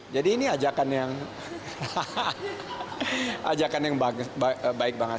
jadi ini ajakan yang baik banget